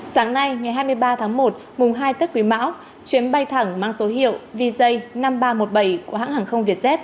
sáng nay ngày hai mươi ba tháng một mùng hai tết quý mão chuyến bay thẳng mang số hiệu vj năm nghìn ba trăm một mươi bảy của hãng hàng không vietjet